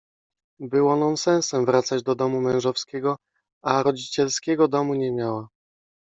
Było nonsensem wracać do domu mężowskiego, a rodzicielskiego domu nie miała.